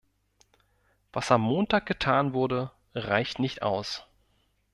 Was am Montag getan wurde, reicht nicht aus.